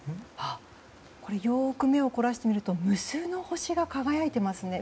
これ、よく目を凝らしてみると無数の星が輝いていますね。